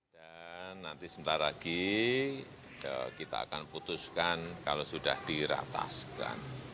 dan nanti sebentar lagi kita akan putuskan kalau sudah dirataskan